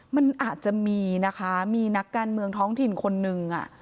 มันอาจจะมีนะคะมีนักการเมืองท้องถิ่นคนนึง